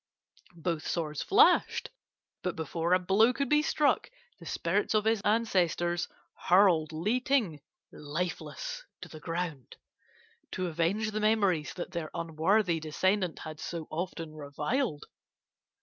"Both swords flashed, but before a blow could be struck the spirits of his ancestors hurled Li Ting lifeless to the ground, to avenge the memories that their unworthy descendant had so often reviled.